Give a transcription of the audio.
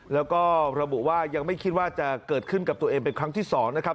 แล้วก็ระบุว่ายังไม่คิดว่าจะเกิดขึ้นกับตัวเองเป็นครั้งที่๒นะครับ